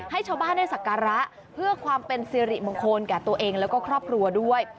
ให้ชาวบ้านได้สักการะเพื่อความเป็นสิริมงคลแก่ตัวเองแล้วก็ครอบครัวด้วย